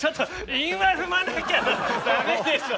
韻は踏まなきゃ駄目でしょ！